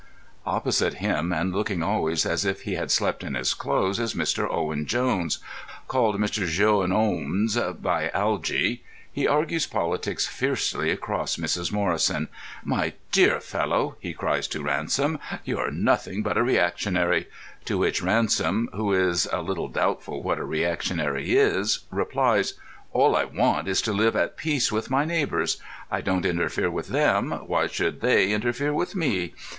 Opposite him, and looking always as if he had slept in his clothes, is Mr. Owen Jones—called Mr. Joen Owns by Algy. He argues politics fiercely across Mrs. Morrison. "My dear fellow," he cries to Ransom, "you're nothing but a reactionary!"—to which Ransom, who is a little doubtful what a reactionary is, replies, "All I want is to live at peace with my neighbours. I don't interfere with them; why should they interfere with me?"